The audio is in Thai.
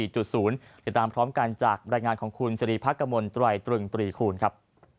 ติดตามพร้อมกันจากบรรยายงานของคุณสิริพักกมลตรายตรึงตรีคูณครับ